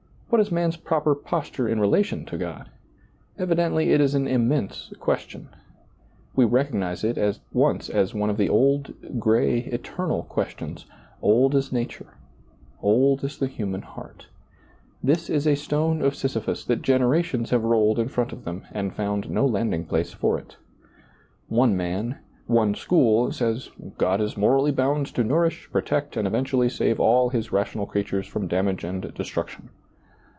what is man's proper posture in relation to God? Evidently it is an immense question. We recogjnize it at once as one of the old, gray, eternal questions, old as nature, old as the human heart This is a stone of Sisyphus that generations have rolled in front of them and found no landing place for it One man, one school says, " God is morally bound to nourish, protect, and eventually save all His rational creatures from dam^e and destruc tion."